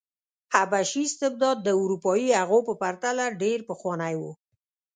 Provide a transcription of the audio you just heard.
حبشي استبداد د اروپايي هغو په پرتله ډېر پخوانی و.